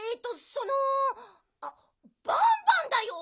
そのあっバンバンだよ！